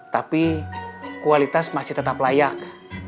tapi kualitas masih tetap layak